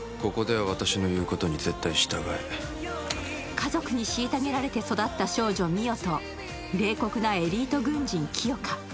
家族に虐げられて育った少女・美世と冷酷なエリート軍人、清霞。